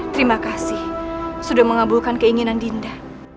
terima kasih sudah mengabulkan keinginan dinda